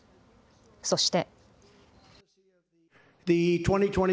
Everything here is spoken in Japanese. そして。